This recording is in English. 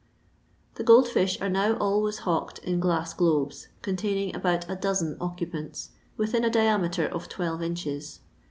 The gold fish are now always hawked in glass glolMS, con taining about a dosen occupants, within a diameter of twelve inches.